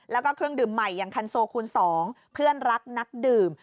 แล้วก็เครื่องดื่มใหม่อย่างคันโซคูณ๒เพื่อนรักนักดื่ม